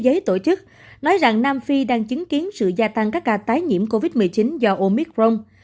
giới tổ chức nói rằng nam phi đang chứng kiến sự gia tăng các ca tái nhiễm covid một mươi chín do omicron